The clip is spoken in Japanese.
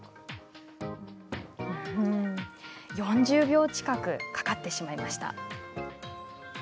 ４０秒近くかかってしまいました。